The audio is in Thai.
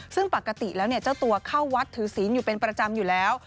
ซึ่งปกติแล้วเจ้าตัวเข้าวัดถือศีลอยู่เป็นประจำอยู่แล้ว